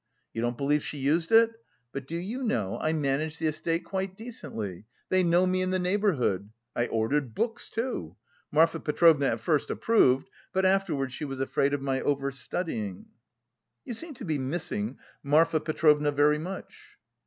You don't believe she used it? But do you know I managed the estate quite decently, they know me in the neighbourhood. I ordered books, too. Marfa Petrovna at first approved, but afterwards she was afraid of my over studying." "You seem to be missing Marfa Petrovna very much?"